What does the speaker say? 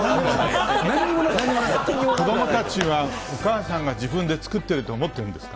子どもたちはお母さんが自分で作っていると思っているんですよ。